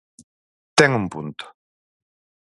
Ten un punto.